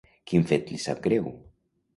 Quin fet li sap greu?